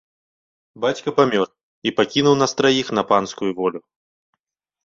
Бацька памёр і пакінуў нас траіх на панскую волю.